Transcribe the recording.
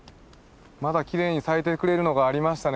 まだきれいに咲いてくれるのがありましたね。